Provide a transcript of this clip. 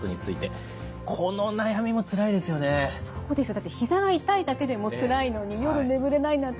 だってひざが痛いだけでもつらいのに夜眠れないなんて